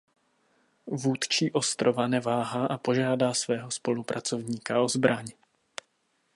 Vůdčí ostrova neváhá a požádá svého spolupracovníka o zbraň.